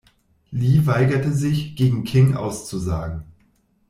Lee weigerte sich, gegen King auszusagen.